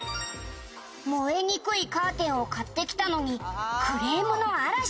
「燃えにくいカーテンを買ってきたのにクレームの嵐」